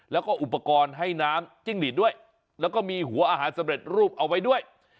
แล้วก็อุปกรณ์ให้น้ำจิ้งหลีดด้วยแล้วก็มีหัวอาหารสำเร็จรูปเอาไว้ด้วย